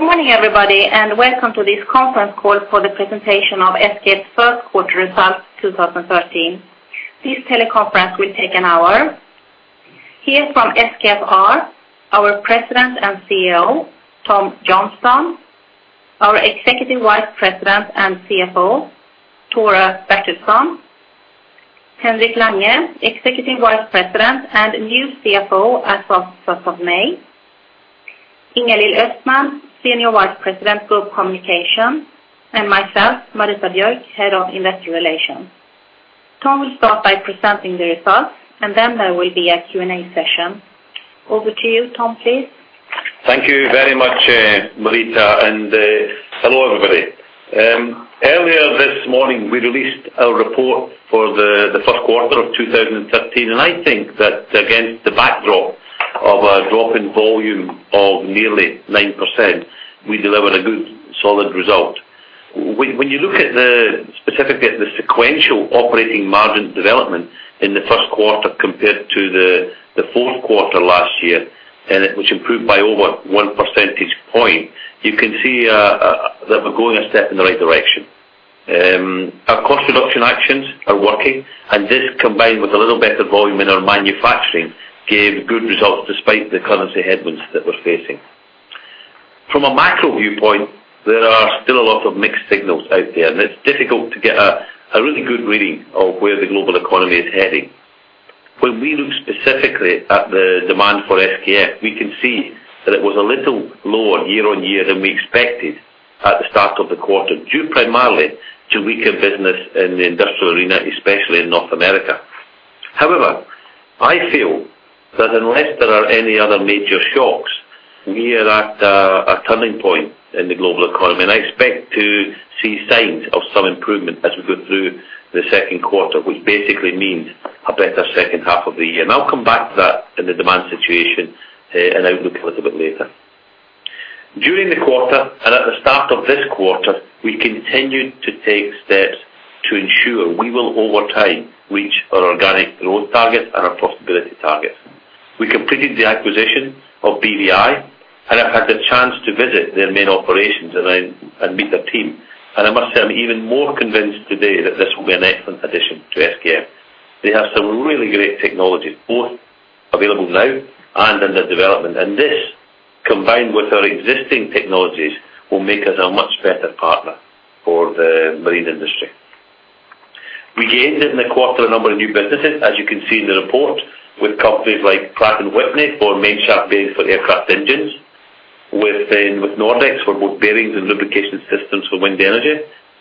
Good morning, everybody, and welcome to this conference call for the presentation of SKF's first quarter results, 2013. This teleconference will take an hour. Here from SKF are our President and CEO, Tom Johnstone, our Executive Vice President and CFO, Tore Bertilsson, Henrik Lange, Executive Vice President and new CFO as of May 1st, Ingalill Östman, Senior Vice President, Group Communications, and myself, Marita Björk, Head of Investor Relations. Tom will start by presenting the results, and then there will be a Q&A session. Over to you, Tom, please. Thank you very much, Marita, and hello, everybody. Earlier this morning, we released our report for the first quarter of 2013, and I think that against the backdrop of a drop in volume of nearly 9%, we delivered a good, solid result. When you look specifically at the sequential operating margin development in the first quarter compared to the fourth quarter last year, and it was improved by over 1 percentage point, you can see that we're going a step in the right direction. Our cost reduction actions are working, and this, combined with a little better volume in our manufacturing, gave good results despite the currency headwinds that we're facing. From a macro viewpoint, there are still a lot of mixed signals out there, and it's difficult to get a really good reading of where the global economy is heading. When we look specifically at the demand for SKF, we can see that it was a little lower year-over-year than we expected at the start of the quarter, due primarily to weaker business in the Industrial arena, especially in North America. However, I feel that unless there are any other major shocks, we are at a turning point in the global economy, and I expect to see signs of some improvement as we go through the second quarter, which basically means a better second half of the year. I'll come back to that in the demand situation and outlook a little bit later. During the quarter, and at the start of this quarter, we continued to take steps to ensure we will, over time, reach our organic growth target and our profitability targets. We completed the acquisition of BVI, and I had the chance to visit their main operations and meet their team. I must say, I'm even more convinced today that this will be an excellent addition to SKF. They have some really great technologies, both available now and in their development, and this, combined with our existing technologies, will make us a much better partner for the marine industry. We gained in the quarter a number of new businesses, as you can see in the report, with companies like Pratt & Whitney for main shaft bearings for aircraft engines, with with Nordex, for both bearings and lubrication systems for wind energy,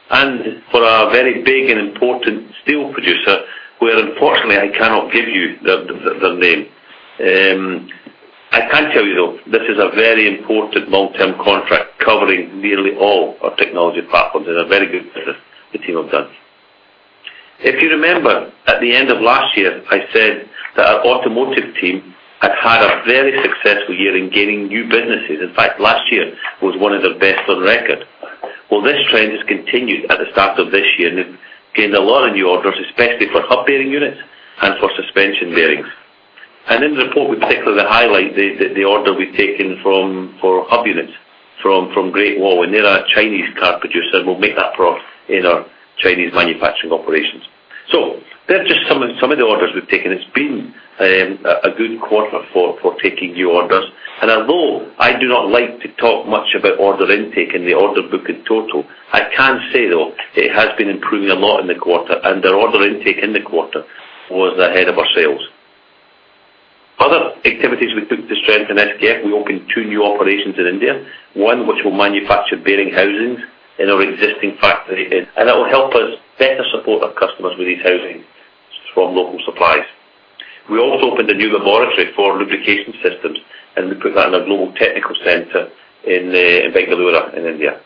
and for a very big and important steel producer, where unfortunately, I cannot give you their name. I can tell you, though, this is a very important long-term contract covering nearly all our technology platforms and a very good business the team have done. If you remember, at the end of last year, I said that our automotive team had had a very successful year in gaining new businesses. In fact, last year was one of their best on record. Well, this trend has continued at the start of this year, and they've gained a lot of new orders, especially for hub bearing units and for suspension bearings. And in the report, we particularly highlight the order we've taken for hub units from Great Wall, and they're a Chinese car producer, and we'll make that product in our Chinese manufacturing operations. So they're just some of the orders we've taken. It's been a good quarter for taking new orders. And although I do not like to talk much about order intake and the order book in total, I can say, though, it has been improving a lot in the quarter, and our order intake in the quarter was ahead of our sales. Other activities we took to strengthen SKF. We opened two new operations in India, one which will manufacture bearing housings in our existing factory, and that will help us better support our customers with these housings from local suppliers. We also opened a new laboratory for lubrication systems, and we put that in our global technical center in Bengaluru, in India.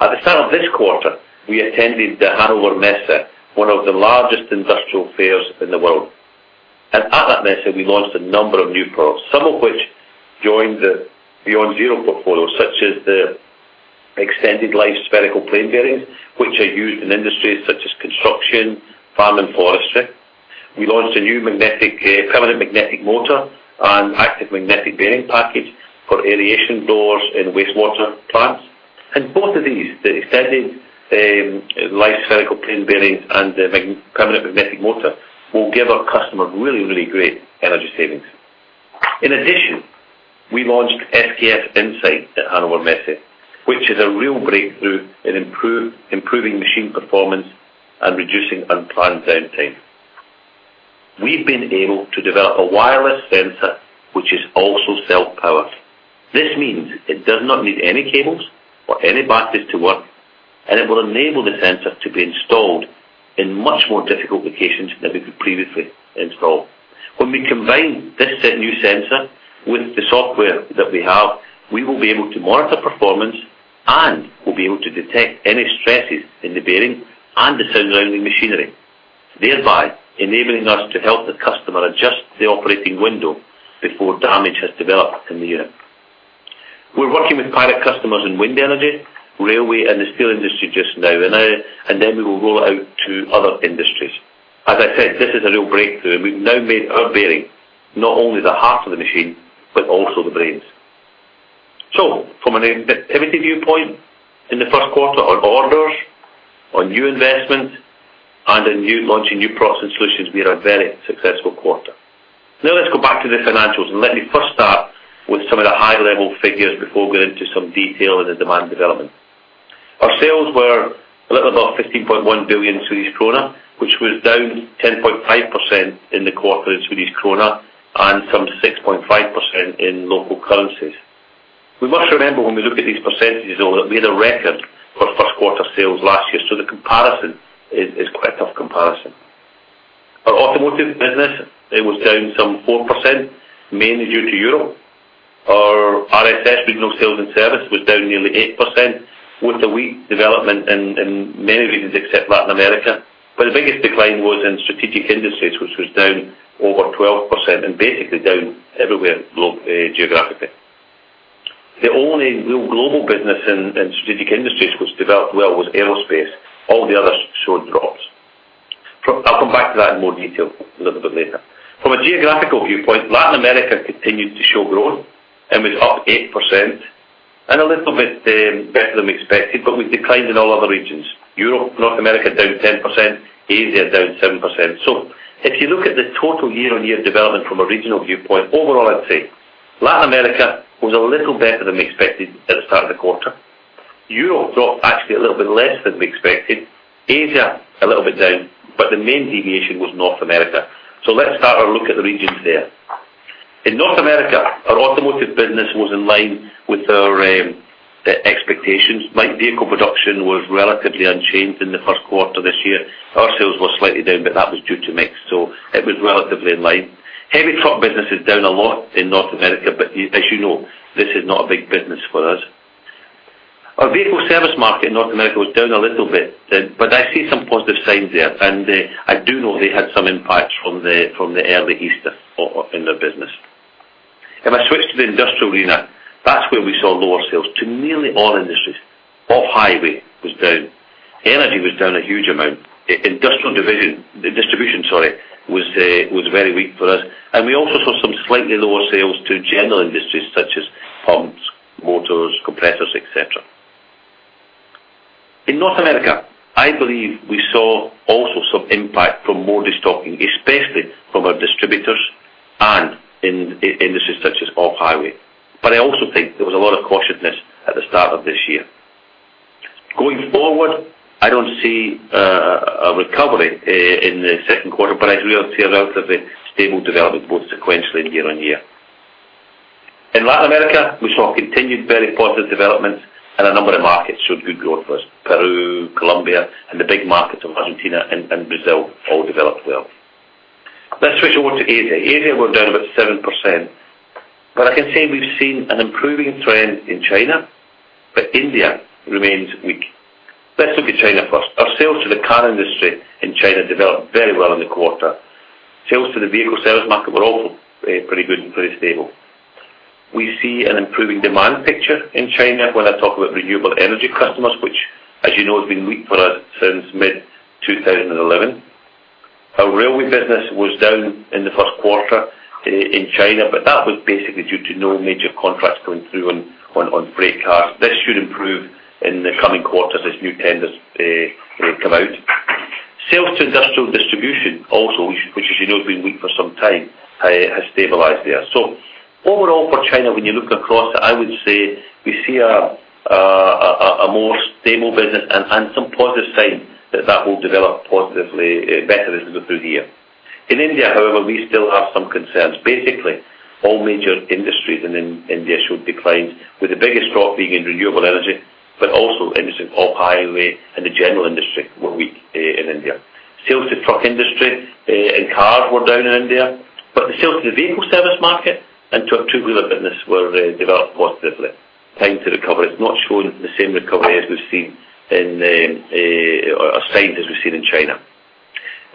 At the start of this quarter, we attended the Hannover Messe, one of the largest Industrial fairs in the world. At that Messe, we launched a number of new products, some of which joined the Beyond Zero portfolio, such as the Extended Life spherical plain bearings, which are used in industries such as construction, farm, and forestry. We launched a new permanent magnet motor and active magnetic bearing package for aeration blowers and wastewater plants. Both of these, the Extended Life spherical plain bearings and the permanent magnetic motor, will give our customer really, really great energy savings. In addition, we launched SKF Insight at Hannover Messe, which is a real breakthrough in improving machine performance and reducing unplanned downtime. We've been able to develop a wireless sensor, which is also self-powered. This means it does not need any cables or any batteries to work, and it will enable the sensor to be installed in much more difficult locations than we could previously install. When we combine this new sensor with the software that we have, we will be able to monitor performance and we'll be able to detect any stresses in the bearing and the surrounding machinery, thereby enabling us to help the customer adjust the operating window before damage has developed in the unit. We're working with pilot customers in wind energy, railway, and the steel industry just now and now, and then we will roll it out to other industries. As I said, this is a real breakthrough, and we've now made our bearing, not only the heart of the machine, but also the brains. So from an activity viewpoint, in the first quarter, on orders, on new investment, and in new-launching new process solutions, we had a very successful quarter. Now let's go back to the financials, and let me first start with some of the high-level figures before we go into some detail in the demand development. Our sales were a little above 15.1 billion Swedish krona, which was down 10.5% in the quarter in Swedish krona and some 6.5% in local currencies. We must remember, when we look at these percentages, though, that we had a record for first quarter sales last year, so the comparison is quite a tough comparison. Our automotive business, it was down some 4%, mainly due to Europe. Our RSS, Regional Sales and Service, was down nearly 8%, with a weak development in many regions, except Latin America. But the biggest decline was in Strategic Industries, which was down over 12% and basically down everywhere globally, geographically. The only real global business in Strategic Industries, which developed well, was Aerospace. All the others showed drops. I'll come back to that in more detail a little bit later. From a geographical viewpoint, Latin America continued to show growth and was up 8% and a little bit better than we expected, but we declined in all other regions. Europe, North America, down 10%, Asia, down 7%. So if you look at the total year-on-year development from a regional viewpoint, overall, I'd say Latin America was a little better than we expected at the start of the quarter. Europe dropped actually a little bit less than we expected, Asia, a little bit down, but the main deviation was North America. So let's have a look at the regions there. In North America, our automotive business was in line with our expectations. Light vehicle production was relatively unchanged in the first quarter this year. Our sales were slightly down, but that was due to mix, so it was relatively in line. Heavy truck business is down a lot in North America, but as you know, this is not a big business for us. Our Vehicle Service Market in North America was down a little bit, but I see some positive signs there, and I do know they had some impacts from the, from the early Easter in their business. If I switch to the Industrial arena, that's where we saw lower sales to nearly all industries. Off-highway was down. Energy was down a huge amount. Industrial division, distribution, sorry, was very weak for us. And we also saw some slightly lower sales to general industries such as pumps, motors, compressors, etc. In North America, I believe we saw also some impact from more destocking, especially from our distributors and in industries such as off-highway. But I also think there was a lot of cautiousness at the start of this year. Going forward, I don't see a recovery in the second quarter, but I do see a relatively stable development, both sequentially and year-on-year. In Latin America, we saw continued very positive developments, and a number of markets showed good growth for us. Peru, Colombia, and the big markets of Argentina and Brazil all developed well. Let's switch over to Asia. Asia, we're down about 7%, but I can say we've seen an improving trend in China, but India remains weak. Let's look at China first. Our sales to the car industry in China developed very well in the quarter. Sales to the Vehicle Service Market were also pretty good and pretty stable. We see an improving demand picture in China when I talk about renewable energy customers, which, as you know, has been weak for us since mid-2011. Our railway business was down in the first quarter in China, but that was basically due to no major contracts coming through on freight cars. This should improve in the coming quarters as new tenders come out. Sales to Industrial Distribution also, which as you know has been weak for some time, has stabilized there. So overall, for China, when you look across, I would say we see a more stable business and some positive signs that that will develop positively better as we go through the year. In India, however, we still have some concerns. Basically, all major industries in India showed declines, with the biggest drop being in renewable energy, but also industries off-highway and the general industry were weak in India. Sales to truck industry and cars were down in India, but the sales to the Vehicle Service Market and to our two-wheeler business were developed positively. Time to recovery, it's not showing the same recovery as we've seen in or signs as we've seen in China.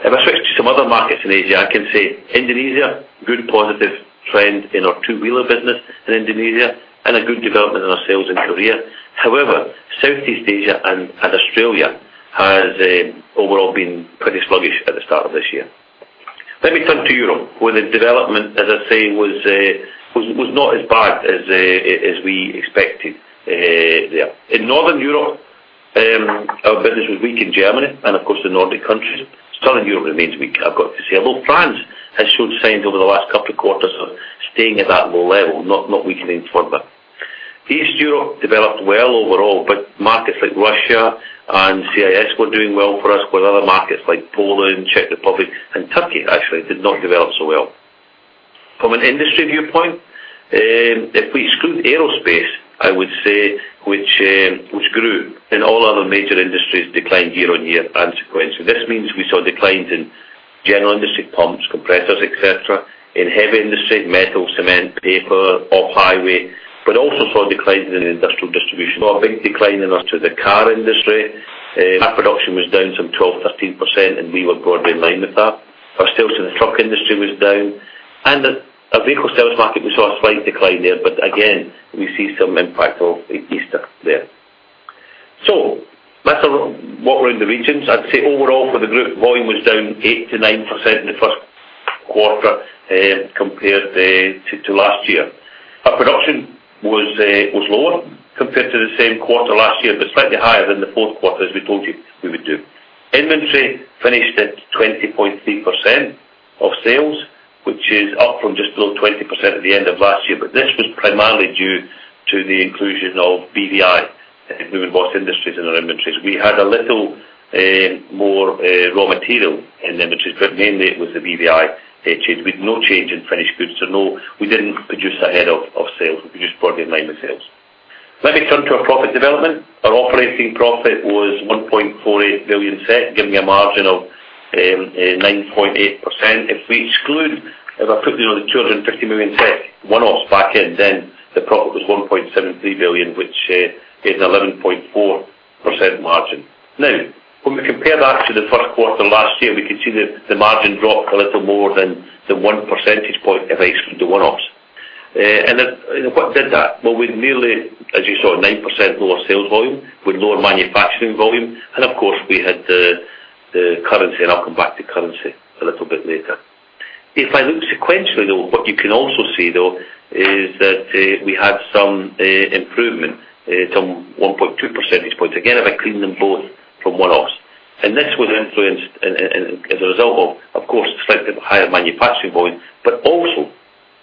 If I switch to some other markets in Asia, I can say Indonesia, good positive trend in our two-wheeler business in Indonesia and a good development in our sales in Korea. However, Southeast Asia and Australia has overall been pretty sluggish at the start of this year. Let me turn to Europe, where the development, as I say, was not as bad as we expected, yeah. In Northern Europe, our business was weak in Germany and, of course, the Nordic countries. Southern Europe remains weak, I've got to say, although France has shown signs over the last couple of quarters of staying at that low level, not, not weakening further. East Europe developed well overall, but markets like Russia and CIS were doing well for us, with other markets like Poland, Czech Republic, and Turkey, actually, did not develop so well. From an industry viewpoint, if we exclude Aerospace, I would say, which, which grew, then all other major industries declined year-on-year and sequentially. This means we saw declines in general industry, pumps, compressors, etc., in heavy industry, metal, cement, paper, off-highway, but also saw declines in the Industrial Distribution. Saw a big decline in sales to the car industry, car production was down some 12%-13%, and we were broadly in line with that. Our sales to the truck industry was down, and the. Our Vehicle Service Market, we saw a slight decline there, but again, we see some impact of Easter there. So let's have a look what we're in the regions. I'd say overall, for the group, volume was down 8%-9% in the first quarter, compared to last year. Our production was lower compared to the same quarter last year, but slightly higher than the fourth quarter, as we told you we would do. Inventory finished at 20.3% of sales, which is up from just below 20% at the end of last year. But this was primarily due to the inclusion of BVI and Blohm + Voss Industries in our inventories. We had a little more raw material in the inventories, but mainly it was the BVI change. With no change in finished goods, so no, we didn't produce ahead of sales. We produced broadly in line with sales. Let me turn to our profit development. Our operating profit was 1.48 billion, giving a margin of 9.8%. If we exclude, if I put the other 250 million one-offs back in, then the profit was 1.73 billion, which is 11.4% margin. Now, when we compare that to the first quarter last year, we can see that the margin dropped a little more than the one percentage point if I exclude the one-offs. And then, what did that? Well, we nearly, as you saw, 9% lower sales volume with lower manufacturing volume, and of course, we had the currency, and I'll come back to currency a little bit later. If I look sequentially, though, what you can also see, though, is that we had some improvement, some 1.2 percentage points. Again, if I clean them both from one-offs. And this was influenced as a result of, of course, slightly higher manufacturing volume, but also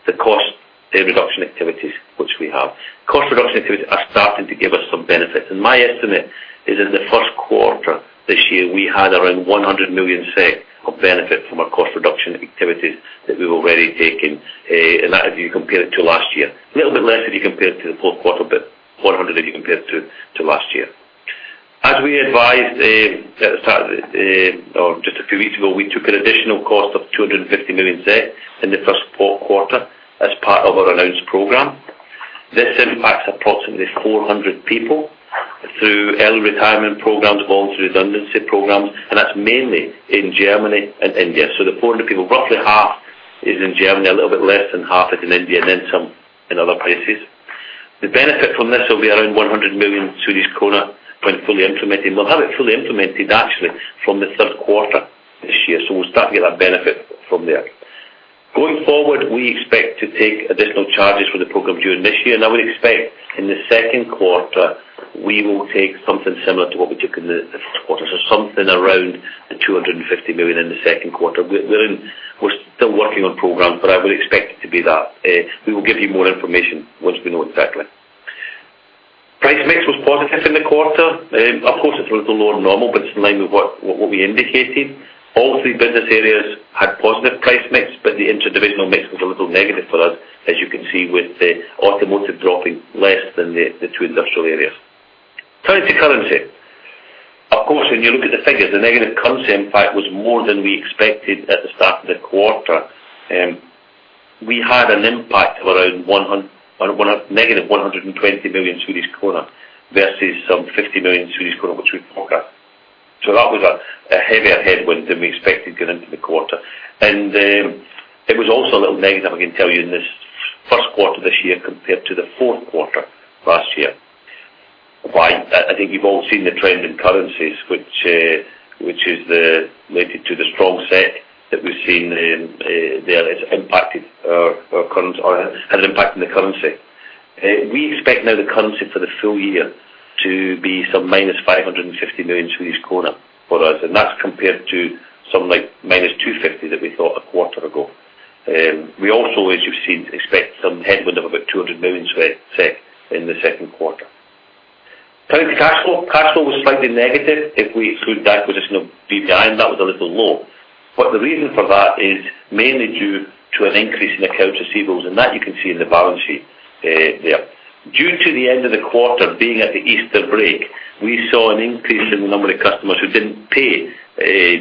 the cost reduction activities, which we have. Cost reduction activities are starting to give us some benefits, and my estimate is in the first quarter this year, we had around 100 million of benefit from our cost reduction activities that we've already taken, and that if you compare it to last year. A little bit less if you compare it to the fourth quarter, but 100 if you compare it to, to last year. As we advised, or just a few weeks ago, we took an additional cost of 250 million in the fourth quarter as part of our announced program. This impacts approximately 400 people through early retirement programs, voluntary redundancy programs, and that's mainly in Germany and India. So the 400 people, roughly half is in Germany, a little bit less than half is in India, and then some in other places. The benefit from this will be around 100 million Swedish kronor when fully implemented. We'll have it fully implemented actually from the third quarter this year, so we'll start to get that benefit from there. Going forward, we expect to take additional charges for the program during this year. Now, we expect in the second quarter, we will take something similar to what we took in the first quarter. So something around 250 million in the second quarter. We're still working on programs, but I would expect it to be that. We will give you more information once we know exactly. Price mix was positive in the quarter. Of course, it's a little lower than normal, but it's in line with what we indicated. All three business areas had positive price mix, but the interdivisional mix was a little negative for us, as you can see, with the automotive dropping less than the two Industrial areas. Turning to currency. Of course, when you look at the figures, the negative currency impact was more than we expected at the start of the quarter. We had an impact of around -120 million Swedish kronor, versus 50 million Swedish kronor, which we'd forecast. So that was a heavier headwind than we expected going into the quarter. And it was also a little negative, I can tell you, in this first quarter this year compared to the fourth quarter last year. Why? I think you've all seen the trend in currencies, which is related to the strong SEK that we've seen, there has impacted our currency, or has impacted the currency. We expect now the currency for the full year to be some -550 million for us, and that's compared to something like -250 million that we thought a quarter ago. We also, as you've seen, expect some headwind of about 200 million SEK in the second quarter. Turning to cash flow. Cash flow was slightly negative if we exclude the acquisition of BVI, and that was a little low. But the reason for that is mainly due to an increase in accounts receivable, and that you can see in the balance sheet there. Due to the end of the quarter being at the Easter break, we saw an increase in the number of customers who didn't pay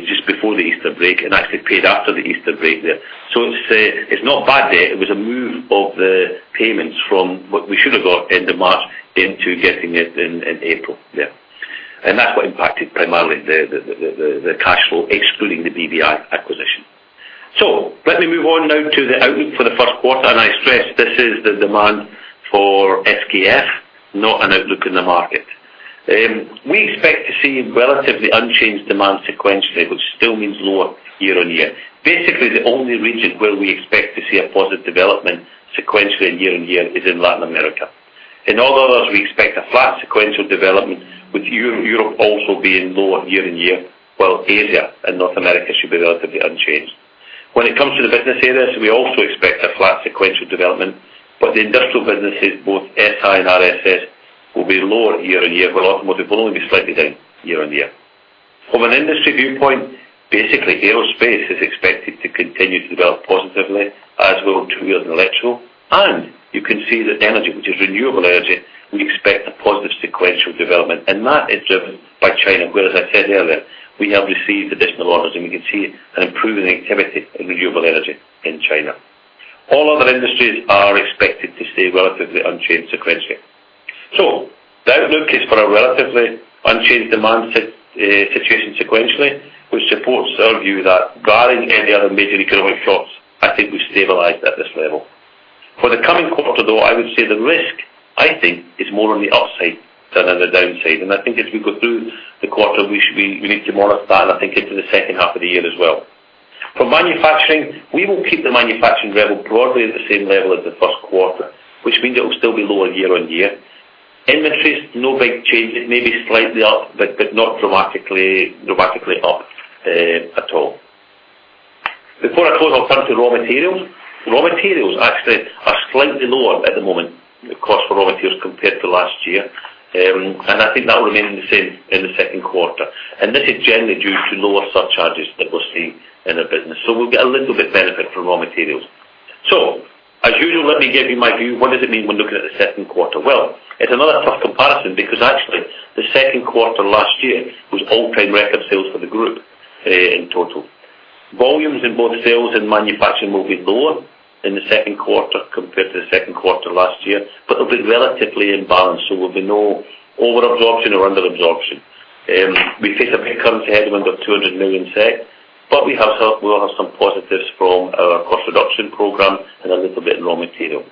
just before the Easter break and actually paid after the Easter break there. So it's not bad there. It was a move of the payments from what we should have got end of March into getting it in April there. And that's what impacted primarily the cash flow, excluding the BVI acquisition. So let me move on now to the outlook for the first quarter, and I stress this is the demand for SKF, not an outlook in the market. We expect to see relatively unchanged demand sequentially, which still means lower year-on-year. Basically, the only region where we expect to see a positive development sequentially and year-on-year is in Latin America. In all others, we expect a flat sequential development, with Europe also being lower year-on-year, while Asia and North America should be relatively unchanged. When it comes to the business areas, we also expect a flat sequential development, but the Industrial businesses, both SI and RSS, will be lower year-over-year, while automotive will only be slightly down year-over-year. From an industry viewpoint, basically, Aerospace is expected to continue to develop positively, as will two-wheeler and electro. And you can see that energy, which is renewable energy, we expect a positive sequential development, and that is driven by China, where, as I said earlier, we have received additional orders, and we can see an improving activity in renewable energy in China. All other industries are expected to stay relatively unchanged sequentially. So the outlook is for a relatively unchanged demand situation sequentially, which supports our view that barring any other major economic shocks, I think we've stabilized at this level. For the coming quarter, though, I would say the risk, I think, is more on the upside than on the downside. And I think as we go through the quarter, we need to monitor that, I think, into the second half of the year as well. For manufacturing, we will keep the manufacturing level broadly at the same level as the first quarter, which means it will still be lower year on year. Inventories, no big change. It may be slightly up, but not dramatically up at all. Before I close, I'll turn to raw materials. Raw materials actually are slightly lower at the moment, the cost for raw materials, compared to last year. I think that will remain the same in the second quarter. This is generally due to lower surcharges that we're seeing in our business. We'll get a little bit benefit from raw materials. As usual, let me give you my view. What does it mean when looking at the second quarter? Well, it's another tough comparison because actually, the second quarter last year was all-time record sales for the group, in total. Volumes in both sales and manufacturing will be lower in the second quarter compared to the second quarter last year, but they'll be relatively in balance, so there will be no over absorption or under absorption. We face a big currency headwind of 200 million, but we have some, we'll have some positives from our cost reduction program and a little bit in raw material.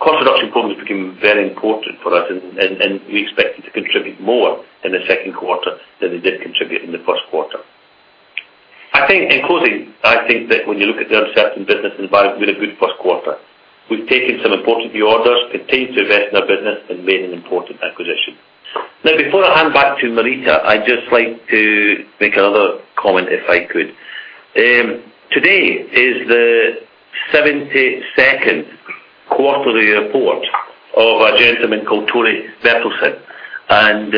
Cost reduction program has become very important for us, and we expect it to contribute more in the second quarter than it did contribute in the first quarter. I think, in closing, I think that when you look at the uncertain business environment, we had a good first quarter. We've taken some important new orders, continued to invest in our business, and made an important acquisition. Now, before I hand back to Marita, I'd just like to make another comment, if I could. Today is the 72nd quarterly report of a gentleman called Tore Bertilsson, and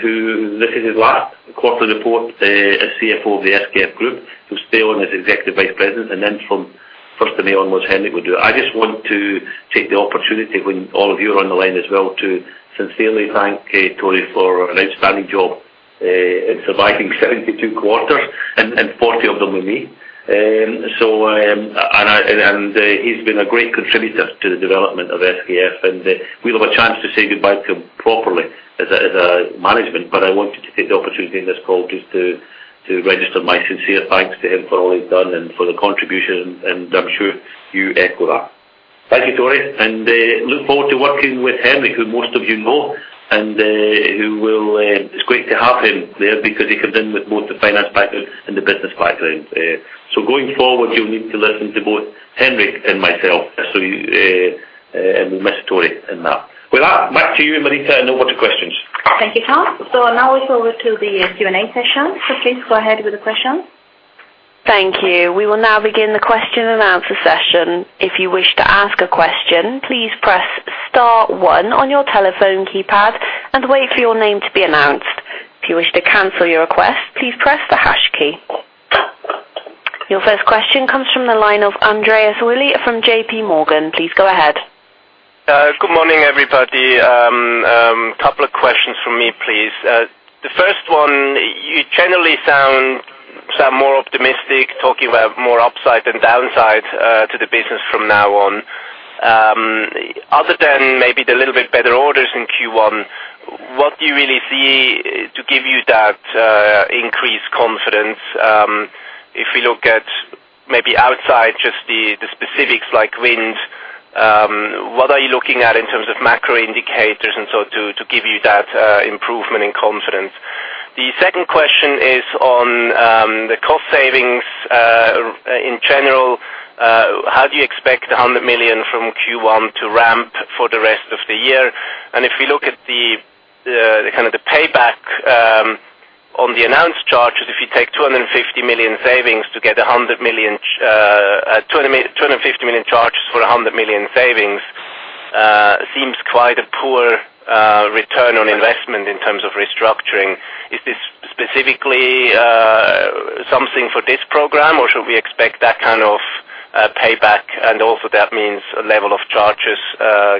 who this is his last quarterly report as CFO of the SKF Group. He'll stay on as Executive Vice President, and then from first of May onwards, Henrik will do it. I just want to take the opportunity when all of you are on the line as well, to sincerely thank Tore for an outstanding job in surviving 72 quarters and 40 of them with me. So, he's been a great contributor to the development of SKF, and we'll have a chance to say goodbye to him properly as a management. But I wanted to take the opportunity in this call just to register my sincere thanks to him for all he's done and for the contribution, and I'm sure you echo that. Thank you, Tore, and look forward to working with Henrik, who most of you know, and who will—it's great to have him there because he comes in with both the finance background and the business background. So going forward, you'll need to listen to both Henrik and myself. So you, and we miss Tore in that. With that, back to you, Marita, and over to questions. Thank you, Tom. Now we forward to the Q&A session. Please go ahead with the questions. Thank you. We will now begin the question and answer session. If you wish to ask a question, please press star one on your telephone keypad and wait for your name to be announced. If you wish to cancel your request, please press the hash key. Your first question comes from the line of Andreas Willi from JPMorgan. Please go ahead. Good morning, everybody. Couple of questions from me, please. The first one, you generally sound more optimistic, talking about more upside than downside to the business from now on. Other than maybe the little bit better orders in Q1, what do you really see to give you that increased confidence? If you look at maybe outside just the specifics like wind, what are you looking at in terms of macro indicators, and so to give you that improvement in confidence? The second question is on the cost savings, in general, how do you expect the 100 million from Q1 to ramp for the rest of the year? If you look at the kind of payback on the announced charges, if you take 250 million savings to get a 100 million, 250 million charges for a 100 million savings, seems quite a poor return on investment in terms of restructuring. Is this specifically something for this program, or should we expect that kind of payback, and also that means a level of charges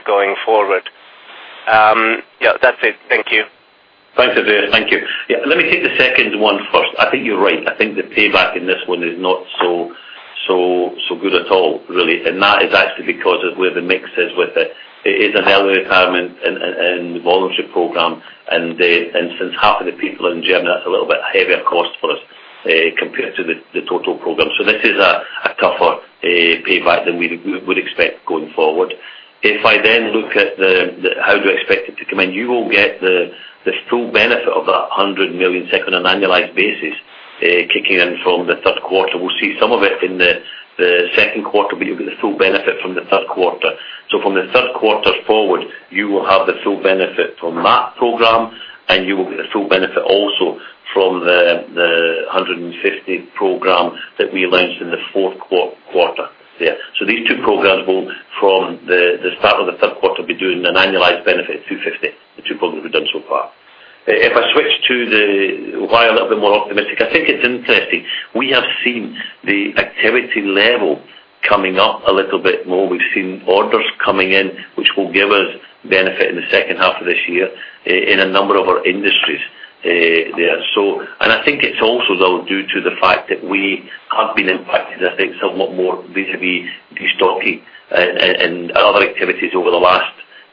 going forward? Yeah, that's it. Thank you. Thank you, Andreas. Thank you. Yeah, let me take the second one first. I think you're right. I think the payback in this one is not so, so, so good at all, really. And that is actually because of where the mix is with the—it is an early retirement and the voluntary program, and since half of the people are in Germany, that's a little bit heavier cost for us compared to the total program. So this is a tougher payback than we'd expect going forward. If I then look at how do you expect it to come in? You will get the full benefit of that 100 million on an annualized basis kicking in from the third quarter. We'll see some of it in the second quarter, but you'll get the full benefit from the third quarter. From the third quarter forward, you will have the full benefit from that program, and you will get the full benefit also from the 150 program that we launched in the fourth quarter there. These two programs will, from the start of the third quarter, be doing an annualized benefit of 250, the two programs we've done so far. If I switch to the why a little bit more optimistic, I think it's interesting. We have seen the activity level coming up a little bit more. We've seen orders coming in, which will give us benefit in the second half of this year in a number of our industries, there. And I think it's also, though, due to the fact that we have been impacted, I think, somewhat more vis-a-vis destocking and other activities over the last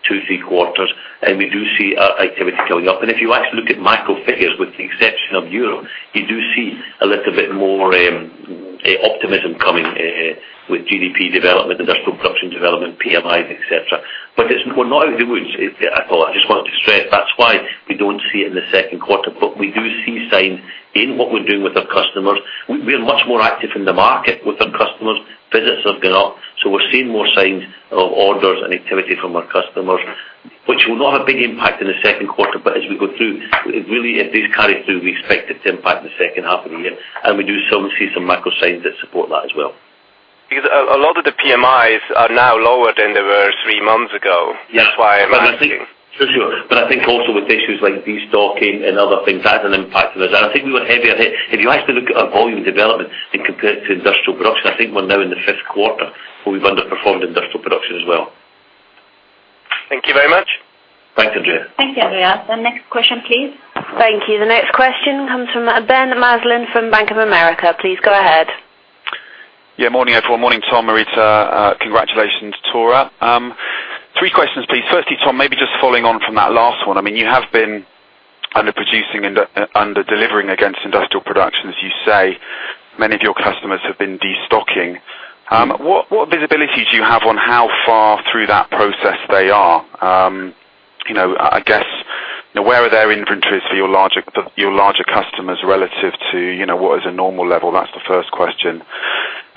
2-3 quarters, and we do see our activity coming up. And if you actually look at macro figures, with the exception of Europe, you do see a little bit more optimism coming with GDP development, Industrial production development, PMIs, etc. But it's, we're not out of the woods. I just want to stress, that's why we don't see it in the second quarter, but we do see signs in what we're doing with our customers. We're much more active in the market with our customers. Visits have gone up, so we're seeing more signs of orders and activity from our customers, which will not have a big impact in the second quarter, but as we go through, it really, if these carry through, we expect it to impact the second half of the year. And we see some macro signs that support that as well. Because a lot of the PMIs are now lower than they were three months ago. Yeah. That's why I'm asking. For sure. But I think also with issues like destocking and other things, that had an impact on us, and I think we were heavier hit. If you actually look at our volume development and compare it to Industrial production, I think we're now in the fifth quarter, where we've underperformed Industrial production as well. Thank you very much. Thank you, Andreas. Thank you, Andreas. The next question, please. Thank you. The next question comes from Ben Maslen from Bank of America. Please go ahead. Yeah, morning, everyone. Morning, Tom, Marita. Congratulations to Tore. Three questions, please. Firstly, Tom, maybe just following on from that last one. I mean, you have been underproducing and under delivering against Industrial production. As you say, many of your customers have been destocking. What, what visibility do you have on how far through that process they are? You know, I guess, where are their inventories for your larger, your larger customers relative to, you know, what is a normal level? That's the first question.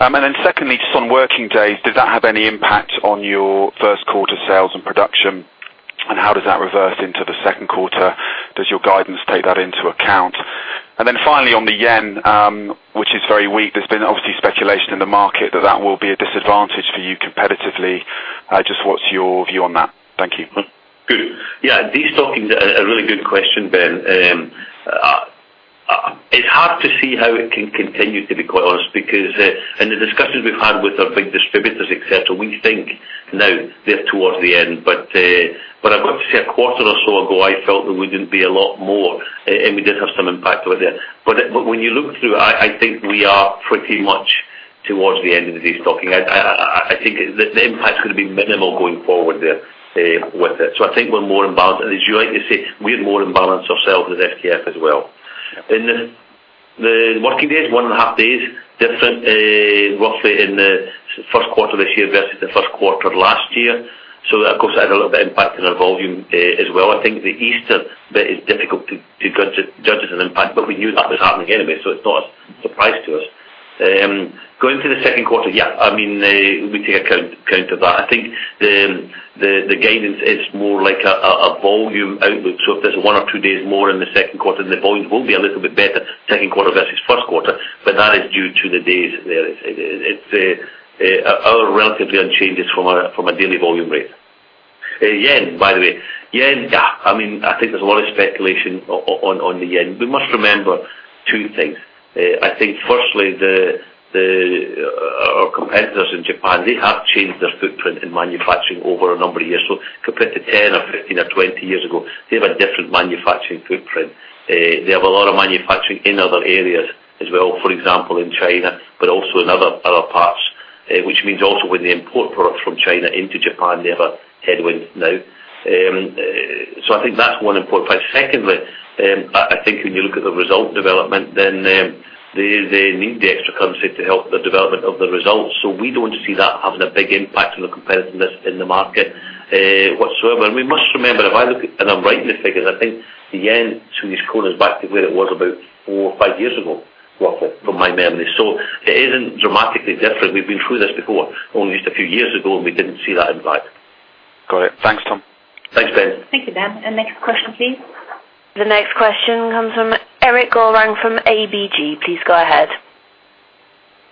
And then secondly, just on working days, does that have any impact on your first quarter sales and production? And how does that reverse into the second quarter? Does your guidance take that into account? And then finally, on the yen, which is very weak, there's been obviously speculation in the market that that will be a disadvantage for you competitively. Just what's your view on that? Thank you. Good. Yeah, destocking is a really good question, Ben. It's hard to see how it can continue, to be quite honest, because in the discussions we've had with our big distributors, etc., we think now they're towards the end. But I've got to say, a quarter or so ago, I felt that we didn't be a lot more, and we did have some impact over there. But when you look through, I think we are pretty much towards the end of the destocking. I think the impact is going to be minimal going forward there with it. So I think we're more in balance, and as you like to say, we're more in balance ourselves as SKF as well. In the working days, one and a half days different, roughly in the first quarter of this year versus the first quarter last year. So of course, it had a little bit impact on our volume, as well. I think the Easter bit is difficult to judge as an impact, but we knew that was happening anyway, so it's not a surprise to us. Going to the second quarter, yeah, I mean, we take account of that. I think the guidance is more like a volume outlook. So if there's one or two days more in the second quarter, the volume will be a little bit better, second quarter versus first quarter, but that is due to the days there. It's relatively unchanged from a daily volume rate. Yen, by the way. Yen, yeah. I mean, I think there's a lot of speculation on the yen. We must remember two things. I think firstly, our competitors in Japan, they have changed their footprint in manufacturing over a number of years. So compared to 10 or 15 or 20 years ago, they have a different manufacturing footprint. They have a lot of manufacturing in other areas as well, for example, in China, but also in other parts, which means also when they import products from China into Japan, they have a headwind now. So I think that's one important point. Secondly, I think when you look at the result development, then, they need the extra currency to help the development of the results. So we don't see that having a big impact on the competitiveness in the market, whatsoever. We must remember, if I look at, and I'm right in the figures, I think the Japanese yen to these quarters back to where it was about four or five years ago, roughly, from my memory. It isn't dramatically different. We've been through this before, only just a few years ago, and we didn't see that impact. Got it. Thanks, Tom. Thanks, Ben. Thank you, Ben. Next question, please. The next question comes from Erik Golrang from ABG. Please go ahead.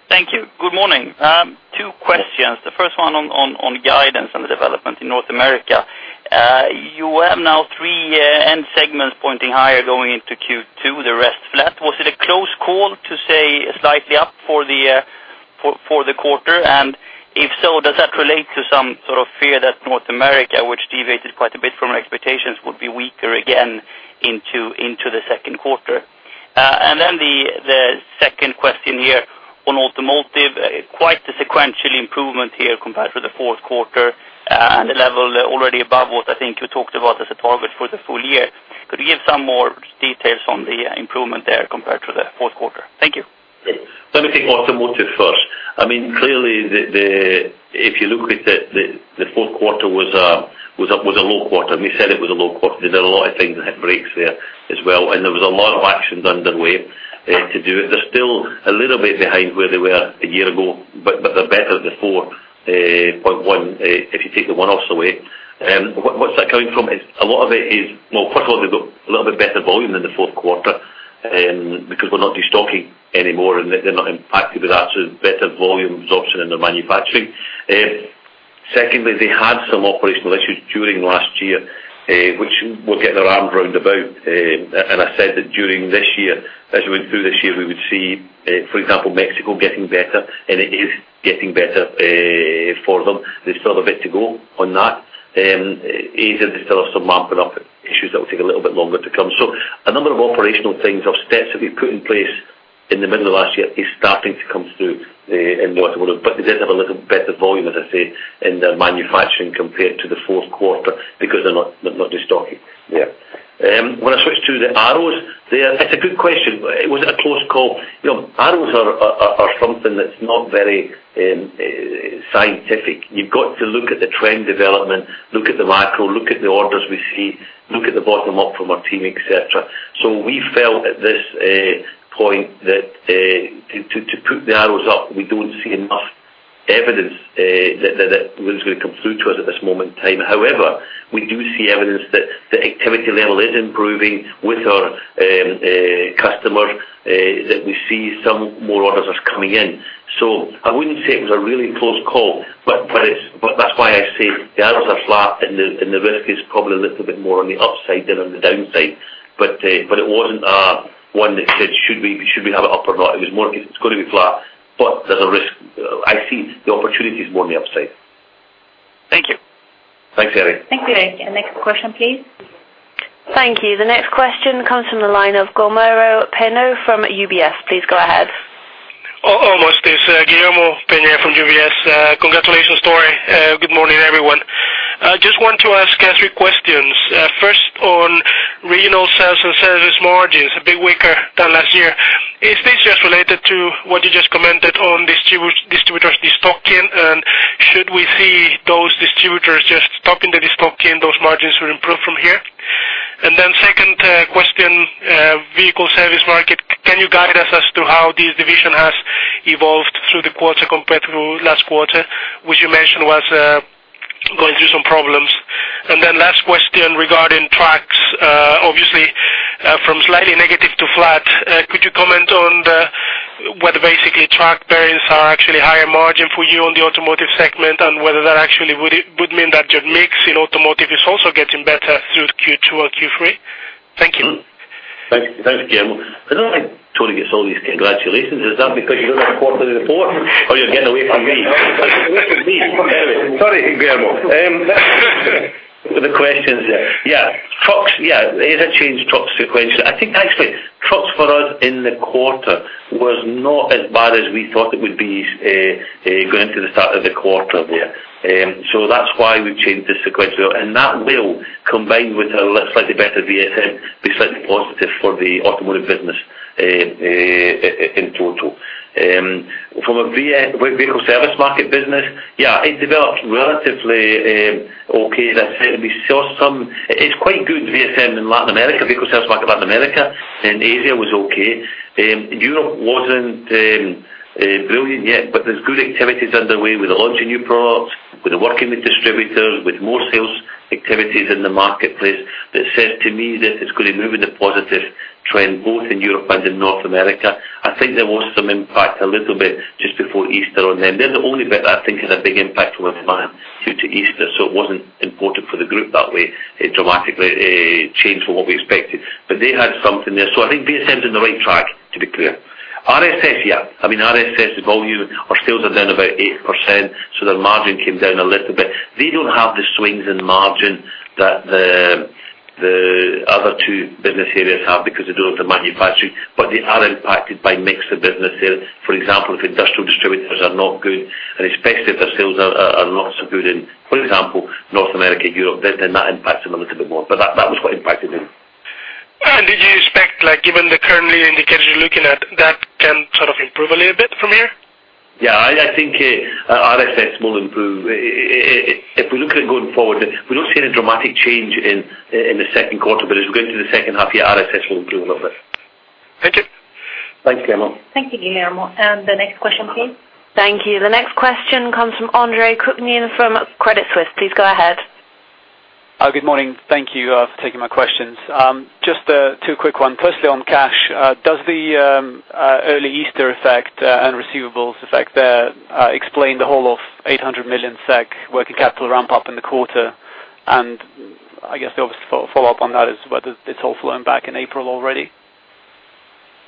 Thank you. Good morning. Two questions. The first one on, on, on guidance and the development in North America. You have now three end segments pointing higher going into Q2, the rest flat. Was it a close call to say slightly up for the, for, for the quarter? And if so, does that relate to some sort of fear that North America, which deviated quite a bit from your expectations, would be weaker again into, into the second quarter? And then the second question here on automotive, quite a sequential improvement here compared to the fourth quarter, and the level already above what I think you talked about as a target for the full year. Could you give some more details on the improvement there compared to the fourth quarter? Thank you. Let me take automotive first. I mean, clearly. If you look at it, the fourth quarter was a low quarter. We said it was a low quarter. There were a lot of things that hit brakes there as well, and there was a lot of action underway to do it. They're still a little bit behind where they were a year ago, but they're better at the 4.1 if you take the one-offs away. What's that coming from? It's a lot of it is. Well, first of all, they've got a little bit better volume than the fourth quarter because we're not destocking anymore, and they're not impacted with that, so better volume absorption in their manufacturing. Secondly, they had some operational issues during last year, which we'll get their arms round about. And I said that during this year, as we went through this year, we would see, for example, Mexico getting better, and it is getting better, for them. There's still a bit to go on that. Asia, there's still some ramping up issues that will take a little bit longer to come. So a number of operational things or steps have been put in place in the middle of last year is starting to come through in automotive, but they did have a little bit of volume, as I say, in their manufacturing compared to the fourth quarter because they're not, not destocking. Yeah. When I switched to the arrows, it's a good question. Was it a close call? You know, arrows are something that's not very scientific. You've got to look at the trend development, look at the macro, look at the orders we see, look at the bottom up from our team, etc. So we felt at this point that to put the arrows up, we don't see enough evidence that that was going to come through to us at this moment in time. However, we do see evidence that the activity level is improving with our customers that we see some more orders are coming in. So I wouldn't say it was a really close call, but it's, but that's why I say the arrows are flat, and the risk is probably a little bit more on the upside than on the downside. But it wasn't one that said, should we have it up or not? It was more, it's going to be flat, but there's a risk. I see the opportunity is more on the upside. Thank you. Thanks, Erik. Thank you, Erik. Next question, please. Thank you. The next question comes from the line of Guillermo Peigneux from UBS. Please go ahead. Oh, almost. It's Guillermo Peigneux from UBS. Congratulations, Tore. Good morning, everyone. I just want to ask three questions. First, on regional sales and service margins, a bit weaker than last year. Is this just related to what you just commented on distributors destocking? And should we see those distributors just stopping the destocking, those margins will improve from here? And then second, question, Vehicle Service Market. Can you guide us as to how this division has evolved through the quarter compared to last quarter, which you mentioned was, going through some problems? And then last question regarding trucks, obviously, from slightly negative to flat, could you comment on the, whether basically truck bearings are actually higher margin for you on the automotive segment? Whether that actually would mean that your mix in automotive is also getting better through Q2 or Q3? Thank you. Thanks. Thanks, Guillermo. I don't know why Tore gets all these congratulations. Is that because you look at the quarter report or you're getting away from me? Anyway, sorry, Guillermo. The questions. Yeah, trucks, yeah, there's a change trucks to your question. I think actually, trucks for us in the quarter was not as bad as we thought it would be, going to the start of the quarter there. So that's why we've changed this to quite well. And that will, combined with a slightly better VSM, be slightly positive for the automotive business, in, in total. From a Vehicle Service Market business, yeah, it developed relatively, okay. That said, we saw some—it's quite good VSM in Latin America, Vehicle Service Market, Latin America, and Asia was okay. Europe wasn't brilliant yet, but there's good activities underway with the launching new products, with the working with distributors, with more sales activities in the marketplace. That says to me that it's going to move in a positive trend, both in Europe and in North America. I think there was some impact, a little bit, just before Easter on them. They're the only bit I think had a big impact on the plan due to Easter, so it wasn't important for the group that way. It dramatically changed from what we expected, but they had something there. So I think VSM is on the right track, to be clear. RSS, yeah. I mean, RSS, the volume, our sales are down about 8%, so their margin came down a little bit. They don't have the swings in margin that the other two business areas have because they don't have the manufacturing, but they are impacted by mix of business there. For example, if Industrial distributors are not good, and especially if their sales are not so good in, for example, North America, Europe, then that impacts them a little bit more, but that was what impacted them. Do you expect, like, given the current indicators you're looking at, that can sort of improve a little bit from here? Yeah, I think RSS will improve. If we look at it going forward, we're not seeing a dramatic change in the second quarter, but as we go into the second half, yeah, RSS will improve a little bit. Thank you. Thanks, Guillermo. Thank you, Guillermo. And the next question, please. Thank you. The next question comes from Andre Kukhnin from Credit Suisse. Please go ahead. Good morning. Thank you for taking my questions. Just two quick one. Firstly, on cash, does the early Easter effect and receivables effect explain the whole of 800 million SEK working capital ramp up in the quarter? And I guess the obvious follow, follow-up on that is whether it's all flowing back in April already.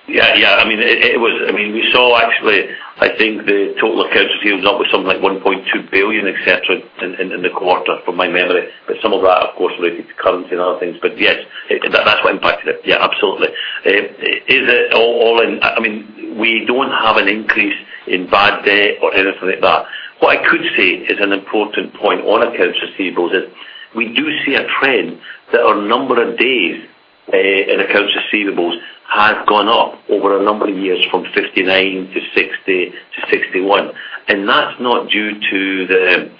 Yeah, yeah. I mean, it was—I mean, we saw actually, I think the total accounts receivable is up with something like 1.2 billion, etc., in the quarter, from my memory. But some of that, of course, related to currency and other things. But yes, that, that's what impacted it. Yeah, absolutely. Is it all in- I mean, we don't have an increase in bad debt or anything like that. What I could say is an important point on accounts receivables, is we do see a trend that our number of days in accounts receivables has gone up over a number of years from 59-60-61. And that's not due to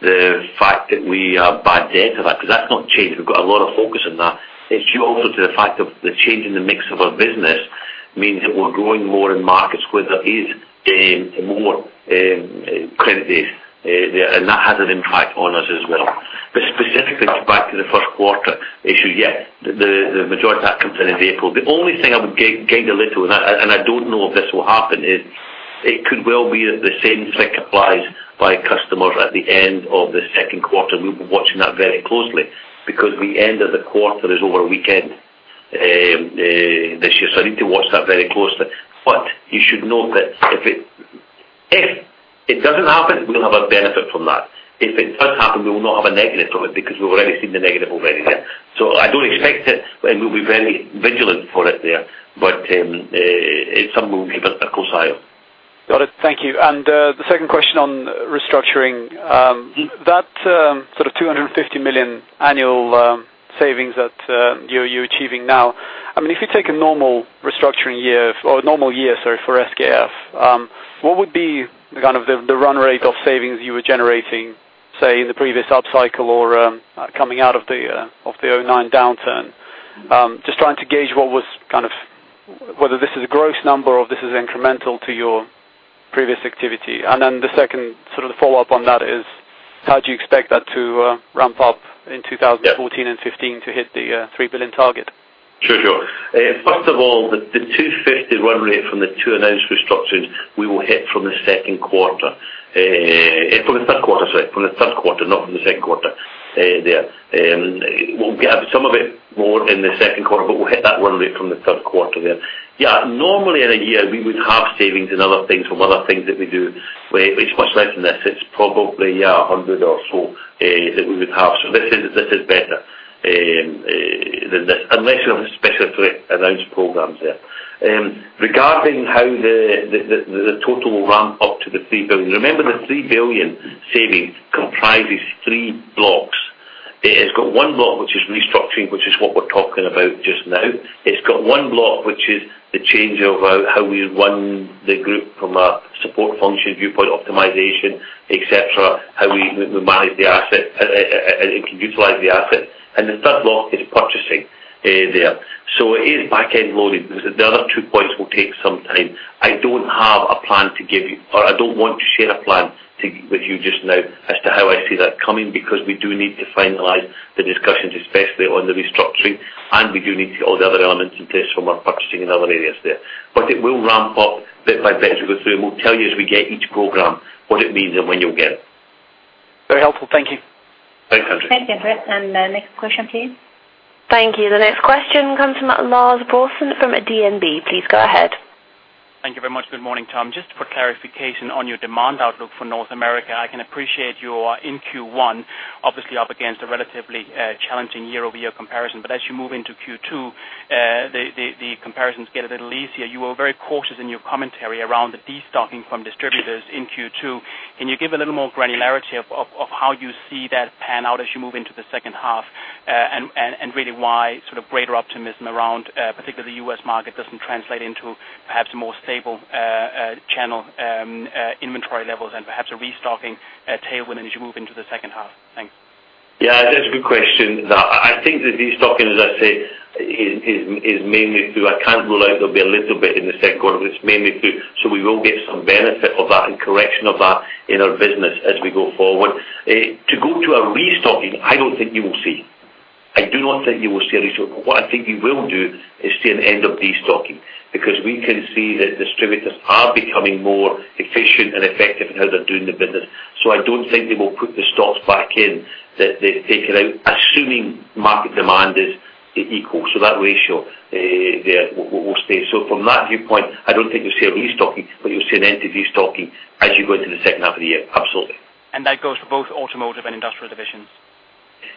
the fact that we have bad debt to that, because that's not changed. We've got a lot of focus on that. It's due also to the fact of the change in the mix of our business, means that we're growing more in markets where there is more credit days there, and that has an impact on us as well. But specifically, back to the first quarter issue, yes, the majority of that comes in April. The only thing I would guide a little, and I don't know if this will happen, is it could well be that the same trick applies by customers at the end of the second quarter. We'll be watching that very closely, because the end of the quarter is over a weekend this year. So I need to watch that very closely. But you should note that if it doesn't happen, we'll have a benefit from that. If it does happen, we will not have a negative of it because we've already seen the negative already there. So I don't expect it, and we'll be very vigilant for it there, but it's something we'll keep a close eye on. Got it. Thank you. And the second question on restructuring. That sort of 250 million annual savings that you're achieving now, I mean, if you take a normal restructuring year or a normal year, sorry, for SKF, what would be the kind of the run rate of savings you were generating, say, in the previous upcycle or coming out of the 2009 downturn? Just trying to gauge what was kind of whether this is a gross number or this is incremental to your previous activity. And then the second, sort of, follow-up on that is: How do you expect that to ramp up in 2014 and 2015 to hit the 3 billion target? Sure, sure. First of all, the 250 million run rate from the two announced restructurings, we will hit from the second quarter, from the third quarter, sorry, from the third quarter, not from the second quarter, there. We'll have some of it more in the second quarter, but we'll hit that run rate from the third quarter there. Yeah, normally in a year, we would have savings and other things from other things that we do, where it's much less than this. It's probably, yeah, 100 million or so, that we would have. So this is, this is better, than this, unless you have specifically announced programs there. Regarding how the total will ramp up to the 3 billion. Remember, the 3 billion savings comprises three blocks. It has got one block, which is restructuring, which is what we're talking about just now. It's got one block, which is the change of how we run the group from a support function viewpoint, optimization, etc., how we manage the asset and can utilize the asset, and the third block is purchasing there. So it is back-end loading. The other two points will take some time. I don't have a plan to give you, or I don't want to share a plan to with you just now as to how I see that coming, because we do need to finalize the discussions, especially on the restructuring, and we do need to get all the other elements in place from our purchasing in other areas there. But it will ramp up bit by bit as we go through, and we'll tell you as we get each program, what it means and when you'll get it. Very helpful. Thank you. Thanks, Andre. Thank you, Andre. Next question, please. Thank you. The next question comes from Lars Brorson from DNB. Please go ahead. Thank you very much. Good morning, Tom. Just for clarification on your demand outlook for North America, I can appreciate you are in Q1, obviously up against a relatively challenging year-over-year comparison. But as you move into Q2, the comparisons get a little easier. You were very cautious in your commentary around the destocking from distributors in Q2. Can you give a little more granularity of how you see that pan out as you move into the second half? And really, why sort of greater optimism around particularly the U.S. market doesn't translate into perhaps more stable channel inventory levels and perhaps a restocking tailwind as you move into the second half. Thanks. Yeah, that's a good question. Now, I think the destocking, as I say, is mainly through—I can't rule out there'll be a little bit in the second quarter, but it's mainly through. So we will get some benefit of that and correction of that in our business as we go forward. To go to a restocking, I don't think you will see. I do not think you will see a restock, but what I think you will do is see an end of destocking, because we can see that distributors are becoming more efficient and effective in how they're doing the business. So I don't think they will put the stocks back in, that they've taken out, assuming market demand is equal, so that ratio, there will stay. So from that viewpoint, I don't think you'll see a restocking, but you'll see an end to destocking as you go into the second half of the year. Absolutely. And that goes for both Automotive and Industrial divisions?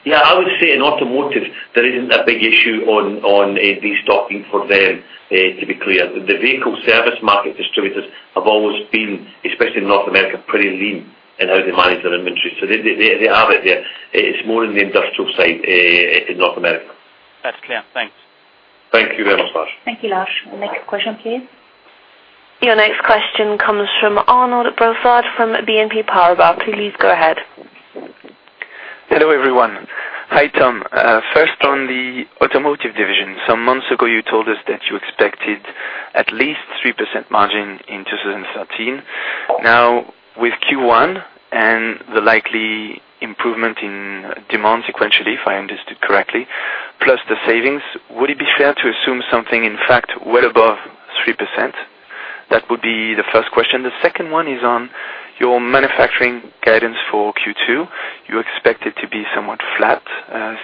Yeah, I would say in automotive, there isn't a big issue on destocking for them, to be clear. The Vehicle Service Market distributors have always been, especially in North America, pretty lean in how they manage their inventory. So they have it there. It's more in the Industrial side, in North America. That's clear. Thanks. Thank you very much, Lars. Thank you, Lars. The next question, please. Your next question comes from Arnaud Brossard from BNP Paribas. Please go ahead. Hello, everyone. Hi, Tom. First, on the automotive division. Some months ago, you told us that you expected at least 3% margin in 2013. Now, with Q1 and the likely improvement in demand sequentially, if I understood correctly, plus the savings, would it be fair to assume something, in fact, well above 3%? That would be the first question. The second one is on your manufacturing guidance for Q2. You expect it to be somewhat flat,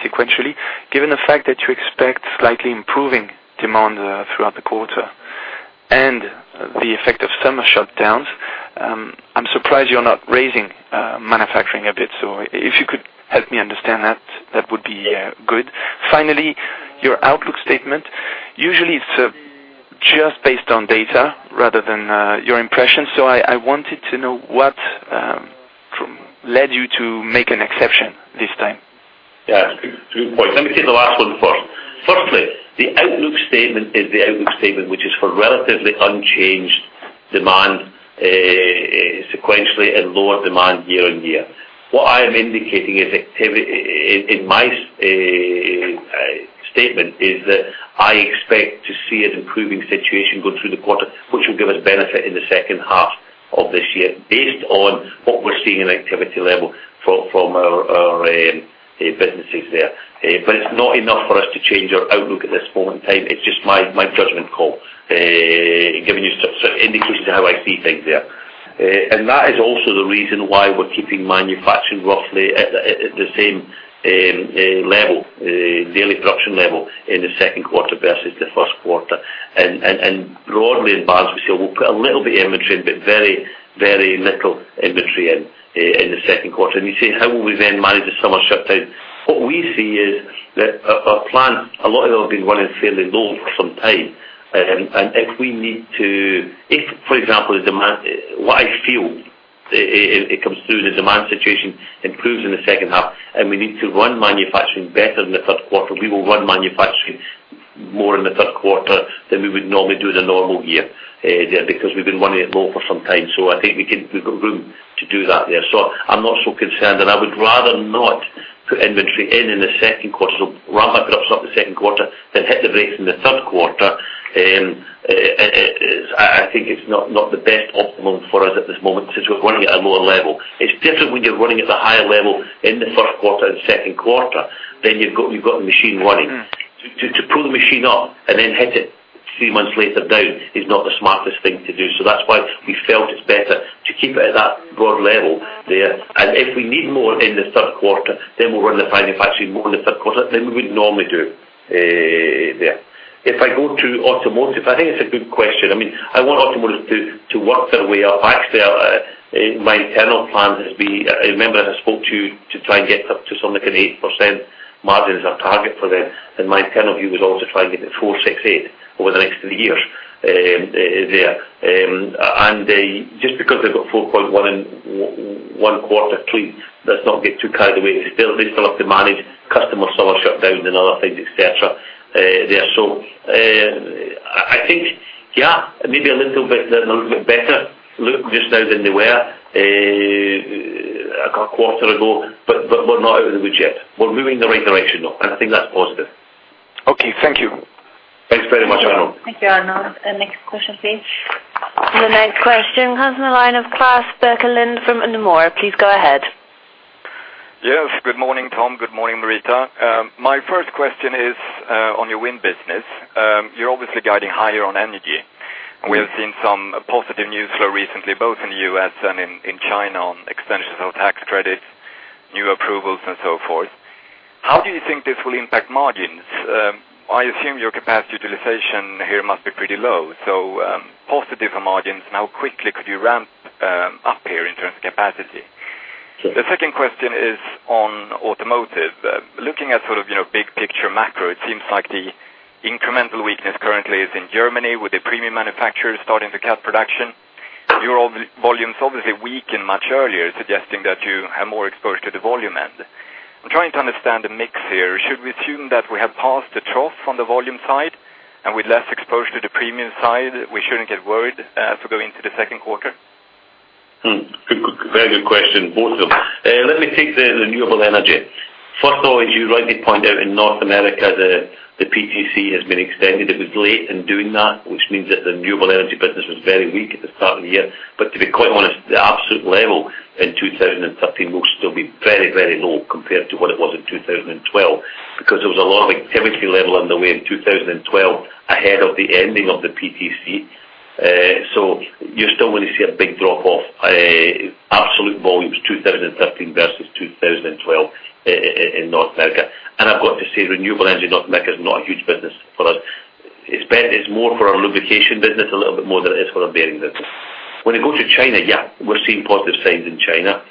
sequentially, given the fact that you expect slightly improving demand throughout the quarter and the effect of summer shutdowns, I'm surprised you're not raising manufacturing a bit. So if you could help me understand that, that would be good. Finally, your outlook statement. Usually, it's just based on data rather than your impressions, so I wanted to know what led you to make an exception this time? Yeah, good point. Let me take the last one first. Firstly, the outlook statement is the outlook statement, which is for relatively unchanged demand sequentially and lower demand year on year. What I am indicating is activity in my statement is that I expect to see an improving situation go through the quarter, which will give us benefit in the second half of this year, based on what we're seeing in activity level from our businesses there. But it's not enough for us to change our outlook at this point in time. It's just my judgment call, giving you some indications of how I see things there. And that is also the reason why we're keeping manufacturing roughly at the same level, daily production level in the second quarter versus the first quarter. Broadly in bearings, we say we'll put a little bit of inventory, but very, very little inventory in the second quarter. And you say, how will we then manage the summer shutdown? What we see is that our plants, a lot of them have been running fairly low for some time. And if we need to, if, for example, the demand, what I feel it comes through the demand situation, improves in the second half, and we need to run manufacturing better than the third quarter, we will run manufacturing more in the third quarter than we would normally do in a normal year, there, because we've been running it low for some time. So I think we can. We've got room to do that there. So I'm not so concerned, and I would rather not put inventory in the second quarter. So ramp my stocks up in the second quarter than hit the brakes in the third quarter. I think it's not the best optimum for us at this moment, since we're running at a lower level. It's different when you're running at the higher level in the first quarter and second quarter, then you've got the machine running. To pull the machine up and then hit it three months later down is not the smartest thing to do. So that's why we felt it's better to keep it at that broad level there. And if we need more in the third quarter, then we'll run the manufacturing more in the third quarter than we would normally do there. If I go to automotive, I think it's a good question. I mean, I want automotive to work their way up. Actually, my internal plan has been, remember, as I spoke to you, to try and get up to something like 8% margin as a target for them, and my internal view was also to try and get to 4, 6, 8 over the next three years there. Just because they've got 4.1 in one quarter clean, let's not get too carried away. They still, they still have to manage customer summer shutdowns and other things, etc., there. So, I think, yeah, maybe a little bit, a little bit better look just now than they were a quarter ago, but, but we're not out of the woods yet. We're moving in the right direction, though, and I think that's positive. Okay, thank you. Thanks very much, Arnaud. Thank you, Arnaud. The next question, please. The next question comes from the line of Klas Bergelind from Nomura. Please go ahead. Yes, good morning, Tom. Good morning, Marita. My first question is on your wind business. You're obviously guiding higher on energy. Yes. We've seen some positive news flow recently, both in the U.S. and in China, on extensions of tax credits, new approvals, and so forth. How do you think this will impact margins? I assume your capacity utilization here must be pretty low, so positive for margins. And how quickly could you ramp up here in terms of capacity? The second question is on automotive. Looking at sort of, you know, big picture macro, it seems like the incremental weakness currently is in Germany, with the premium manufacturers starting the cut production. Your volumes obviously weakened much earlier, suggesting that you are more exposed to the volume end. I'm trying to understand the mix here. Should we assume that we have passed the trough from the volume side, and with less exposure to the premium side, we shouldn't get worried for going into the second quarter? Hmm, good, good. Very good question, both of them. Let me take the renewable energy. First of all, you rightly point out in North America, the PTC has been extended. It was late in doing that, which means that the renewable energy business was very weak at the start of the year. But to be quite honest, the absolute level in 2013 will still be very, very low compared to what it was in 2012, because there was a lot of activity level on the way in 2012, ahead of the ending of the PTC. So you're still going to see a big drop off, absolute volumes, 2013 versus 2012, in North America. And I've got to say, renewable energy, North America, is not a huge business for us. It's more for our lubrication business, a little bit more than it is for our bearing business. When you go to China, yeah, we're seeing positive signs in China.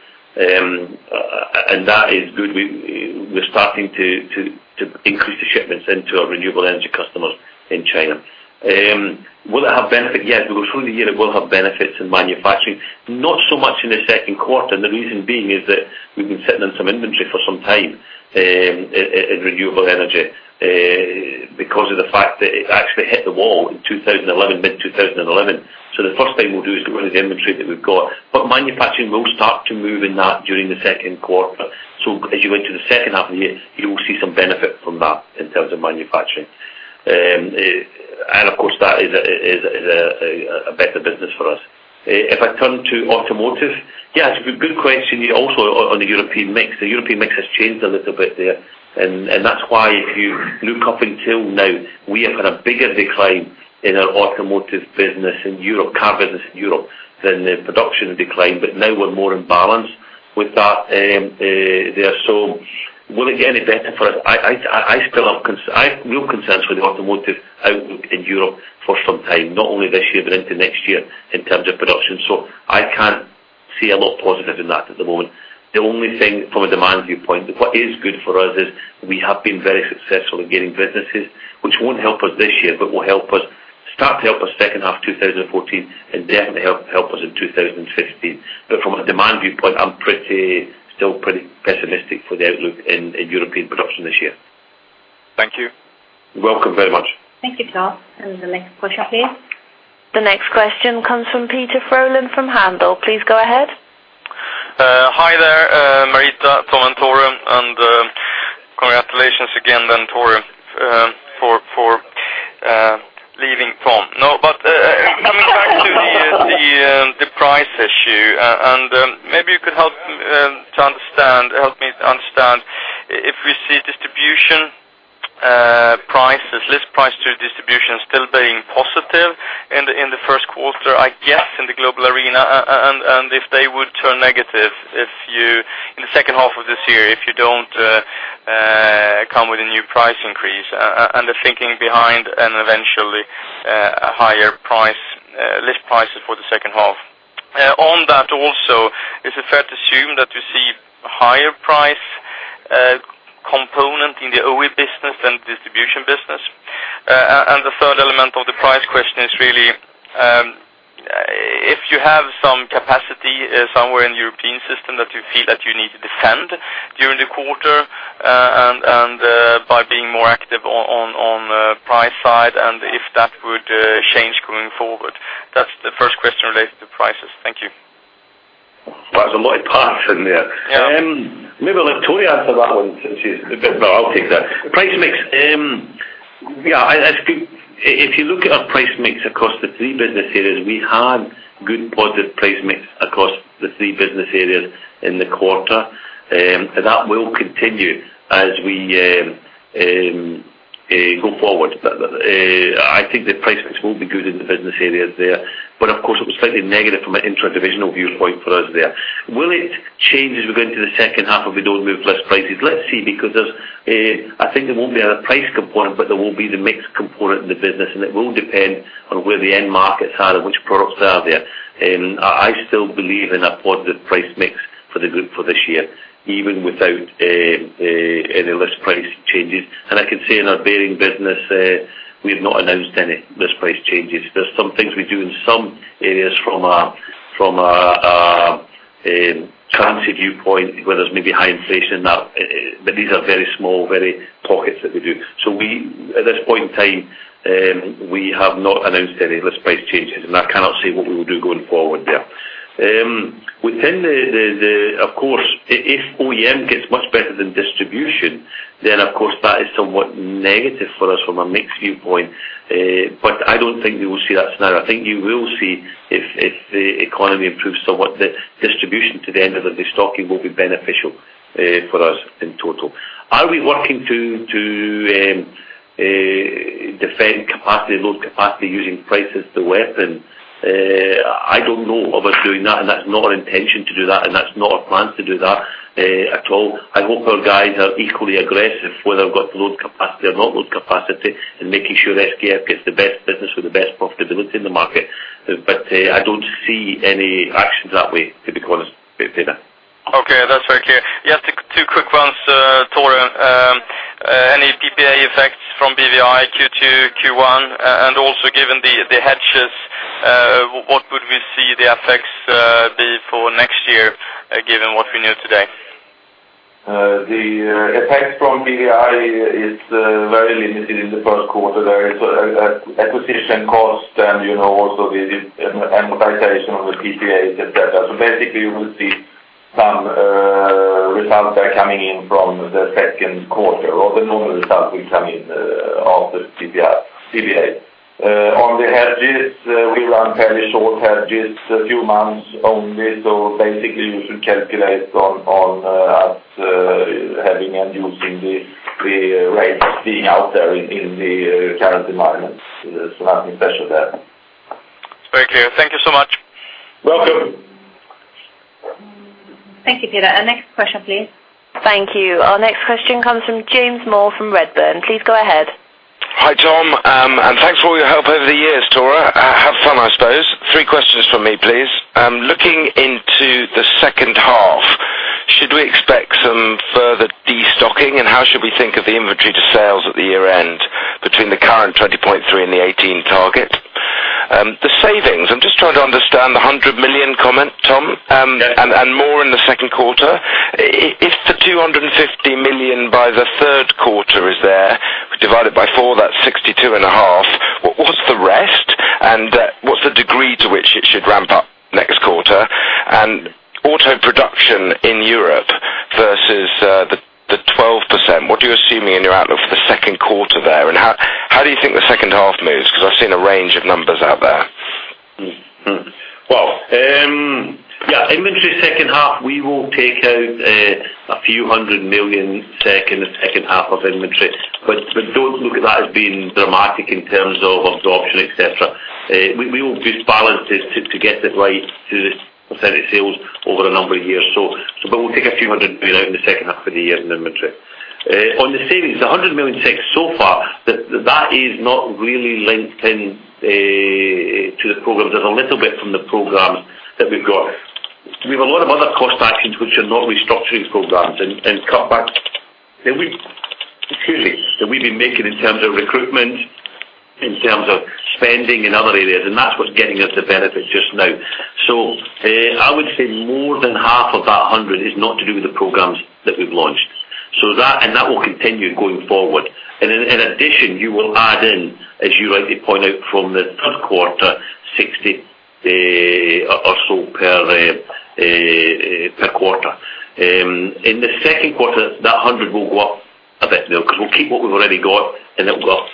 And that is good. We're starting to increase the shipments into our renewable energy customers in China. Will it have benefit? Yes, because through the year, it will have benefits in manufacturing. Not so much in the second quarter, and the reason being is that we've been sitting on some inventory for some time, in renewable energy, because of the fact that it actually hit the wall in 2011, mid-2011. So the first thing we'll do is to run the inventory that we've got, but manufacturing will start to move in that during the second quarter. So as you went to the second half of the year, you will see some benefit from that in terms of manufacturing. And of course, that is a better business for us. If I turn to automotive, yes, good question. Also, on the European mix. The European mix has changed a little bit there, and that's why if you look up until now, we have had a bigger decline in our automotive business in Europe, car business in Europe, than the production decline, but now we're more in balance with that there. So will it get any better for us? I still have real concerns with the automotive outlook in Europe for some time, not only this year, but into next year, in terms of production. I can't see a lot of positive in that at the moment. The only thing from a demand viewpoint, what is good for us is we have been very successful in getting businesses, which won't help us this year, but will help us, start to help us second half 2014, and definitely help, help us in 2015. But from a demand viewpoint, I'm pretty, still pretty pessimistic for the outlook in European production this year. Thank you. You're welcome very much. Thank you, Klas. The next question, please. The next question comes from Peder Frölén from Handelsbanken. Please go ahead. Hi there, Marita, Tom and Tore, and congratulations again, then, Tore, for leaving Tom. No, but coming back to the price issue, and maybe you could help to understand, help me to understand if we see distribution prices, list price to distribution still being positive in the first quarter, I guess, in the global arena. And if they would turn negative, if you in the second half of this year, if you don't come with a new price increase, and the thinking behind and eventually a higher price list prices for the second half. On that also, is it fair to assume that you see higher price component in the OE business than distribution business? And the third element of the price question is really, if you have some capacity somewhere in the European system, that you feel that you need to defend during the quarter, and by being more active on the price side, and if that would change going forward. That's the first question related to prices. Thank you. There's a lot of parts in there. Yeah. Maybe let Tore answer that one, since he's—no, I'll take that. Price mix, yeah, I think if you look at our price mix across the three business areas, we had good positive price mix across the three business areas in the quarter. That will continue as we go forward. But, I think the price mix will be good in the business areas there, but of course, it was slightly negative from an intra-divisional viewpoint for us there. Will it change as we go into the second half, if we don't move list prices? Let's see, because there's, I think there won't be a price component, but there will be the mix component in the business, and it will depend on where the end markets are and which products are there. I still believe in a positive price mix for the group for this year, even without any list price changes. And I can say in our bearing business, we've not announced any list price changes. There's some things we do in some areas from a currency viewpoint, where there's maybe high inflation in that, but these are very small, very pockets that we do. So we, at this point in time, we have not announced any list price changes, and I cannot say what we will do going forward there. Within the—of course, if OEM gets much better than distribution, then, of course, that is somewhat negative for us from a mix viewpoint. But I don't think you will see that scenario. I think you will see if, if the economy improves somewhat, the distribution to the end of the destocking will be beneficial, for us in total. Are we working to defend capacity, load capacity, using prices as a weapon? I don't know about doing that, and that's not our intention to do that, and that's not our plan to do that, at all. I hope our guys are equally aggressive, whether I've got load capacity or not load capacity, in making sure SKF gets the best business with the best profitability in the market. But, I don't see any actions that way, to be quite honest, Peter. Okay, that's very clear. Yeah, two, two quick ones, Tore. Any PPA effects from BVI, Q2, Q1? And also, given the hedges, what would we see the effects be for next year, given what we know today? The effects from BVI is very limited in the first quarter. There is a acquisition cost and, you know, also the amortization of the PPAs, etc. So basically, you will see some results that are coming in from the second quarter, or the normal results will come in after PPA. On the hedges, we run fairly short hedges, a few months only, so basically, you should calculate on us having and using the rates being out there in the current environments. There's nothing special there. Thank you. Thank you so much. Welcome. Thank you, Peder. Our next question, please. Thank you. Our next question comes from James Moore from Redburn. Please go ahead. Hi, Tom. And thanks for all your help over the years, Tore. Have fun, I suppose. Three questions from me, please. Looking into the second half, should we expect some further destocking, and how should we think of the inventory to sales at the year end, between the current 20.3 and the 18 target? The savings, I'm just trying to understand the 100 million comment, Tom and more in the second quarter. If the 250 million by the third quarter is there, divided by four, that's 62.5, what's the rest? And what's the degree to which it should ramp up next quarter? And auto production in Europe versus the 12%, what are you assuming in your outlook for the second quarter there, and how do you think the second half moves? Because I've seen a range of numbers out there. Well, yeah, inventory second half, we will take out a few hundred million SEK second, the second half of inventory. But, but don't look at that as being dramatic in terms of absorption, etc. We will use balances to get it right to the net sales over a number of years. So but we'll take a few hundred million SEK out in the second half of the year in inventory. On the savings, 100 million saved so far, but that is not really linked in to the programs. There's a little bit from the programs that we've got. We have a lot of other cost actions, which are not restructuring programs and cutbacks. And we excuse me, that we've been making in terms of recruitment, in terms of spending in other areas, and that's what's getting us the benefits just now. So, I would say more than half of that 100 is not to do with the programs that we've launched. So that, and that will continue going forward. And in addition, you will add in, as you rightly point out, from the third quarter, 60 or so per quarter. In the second quarter, that 100 will go up a bit now, because we'll keep what we've already got, and it'll go up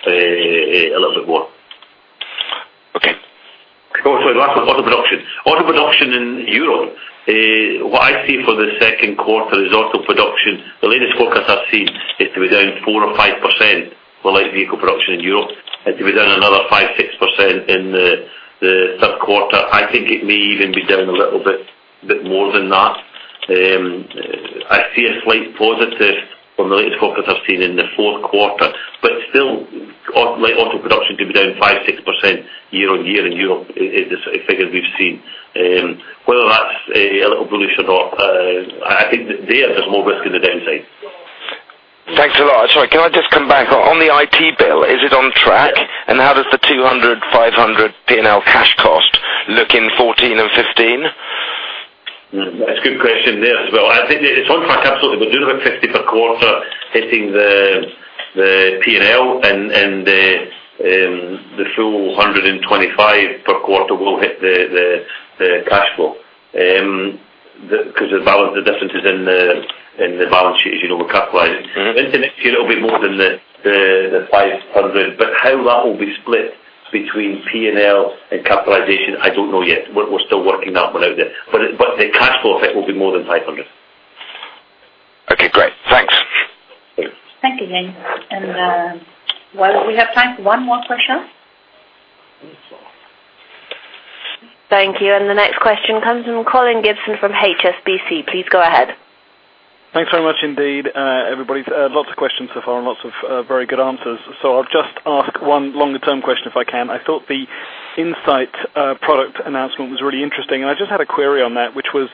production in Europe, what I see for the second quarter is auto production. The latest forecast I've seen is to be down 4%-5% for light vehicle production in Europe, and to be down another 5-6% in the third quarter. I think it may even be down a little bit more than that. I see a slight positive from the latest forecast I've seen in the fourth quarter, but still, light auto production could be down 5-6% year-on-year in Europe, is the figure we've seen. Whether that's a little bullish or not, I think there's more risk on the downside. Thanks a lot. Sorry, can I just come back? On the IT build, is it on track? How does the 200, 500 P&L cash cost look in 2014 and 2015? That's a good question there as well. I think it's on track, absolutely. We do have 50 per quarter hitting the P&L, and the full 125 per quarter will hit the cash flow. 'Cause the differences in the balance sheet, as you know, we're capitalizing. Into next year, it'll be more than the 500, but how that will be split between P&L and capitalization, I don't know yet. We're still working that one out there. But the cash flow effect will be more than 500. Okay, great. Thanks. Thank you, James. Well, we have time for one more question. Thank you, and the next question comes from Colin Gibson from HSBC. Please go ahead. Thanks very much indeed, everybody. Lots of questions so far and lots of very good answers. So I'll just ask one longer-term question, if I can. I thought the Insight product announcement was really interesting, and I just had a query on that, which was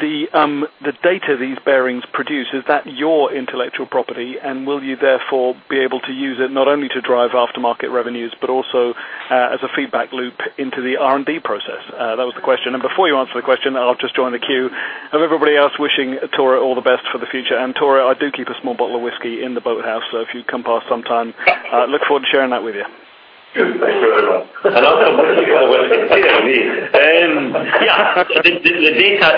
the data these bearings produce, is that your intellectual property? And will you therefore be able to use it not only to drive aftermarket revenues, but also as a feedback loop into the R&D process? That was the question. And before you answer the question, I'll just join the queue of everybody else wishing Tore all the best for the future. And Tore, I do keep a small bottle of whiskey in the boathouse, so if you come past sometime, I look forward to sharing that with you. Thank you very much. And I'll come with you for a whiskey. Yeah, me. Yeah, the data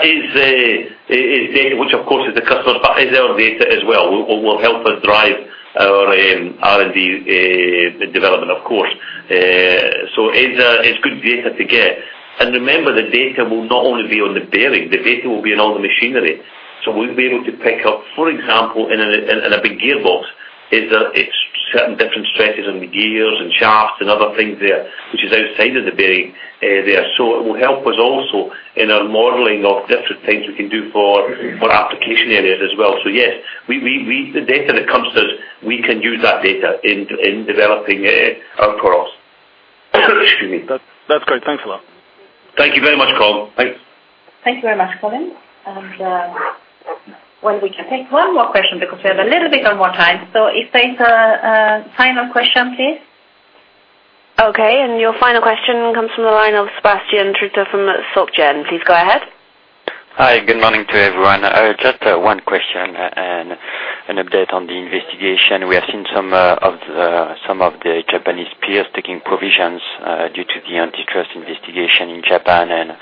is, which, of course, is the customer's, but is our data as well. Will help us drive our R&D development, of course. So it's good data to get. And remember, the data will not only be on the bearing, the data will be on all the machinery. So we'll be able to pick up, for example, in a big gearbox, that it's certain different stresses on the gears and shafts and other things there, which is outside of the bearing, there. So it will help us also in our modeling of different things we can do for application areas as well. So yes, the data that comes to us, we can use that data in developing our products. Excuse me. That's great. Thanks a lot. Thank you very much, Colin. Thanks. Thank you very much, Colin. Well, we can take one more question because we have a little bit of more time. So if there's a final question, please. Okay, and your final question comes from the line of Sebastien Gruter from SocGen. Please go ahead. Hi, good morning to everyone. Just one question and an update on the investigation. We have seen some of the Japanese peers taking provisions due to the antitrust investigation in Japan, and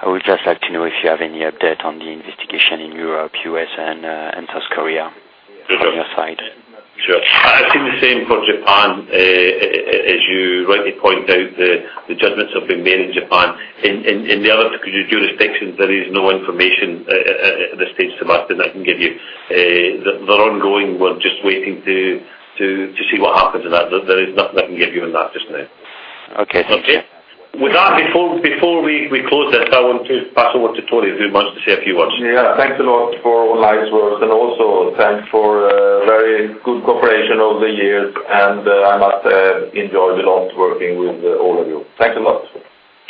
I would just like to know if you have any update on the investigation in Europe, U.S., and South Korea on your side. Sure. I've seen the same for Japan. As you rightly point out, the judgments have been made in Japan. In the other jurisdictions, there is no information at this stage to us that I can give you. They're ongoing. We're just waiting to see what happens in that. There is nothing I can give you on that just now. Okay. Okay? With that, before we close this, I want to pass over to Tore, who wants to say a few words. Yeah, thanks a lot for all night's work, and also thanks for very good cooperation over the years. And I must enjoy a lot working with all of you. Thanks a lot.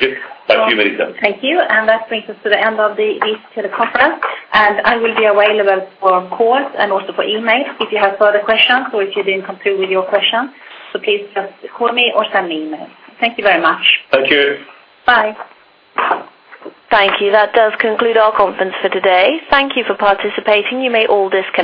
Yep. Thank you, Victor. Thank you. That brings us to the end of this teleconference, and I will be available for calls and also for emails if you have further questions or if you didn't conclude with your question. Please just call me or send me an email. Thank you very much. Thank you. Bye. Thank you. That does conclude our conference for today. Thank you for participating. You may all disconnect.